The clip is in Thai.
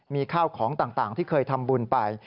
มีข้าวของต่างที่เคยทำบุญไป